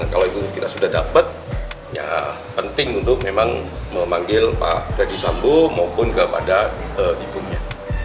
kalau itu kita sudah dapat ya penting untuk memang memanggil pak raditya sambu maupun kepada ibu nya